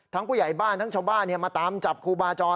ผู้ใหญ่บ้านทั้งชาวบ้านมาตามจับครูบาจร